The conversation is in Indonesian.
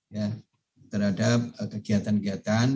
ya terhadap kegiatan kegiatan